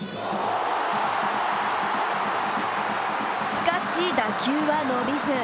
しかし、打球は伸びず。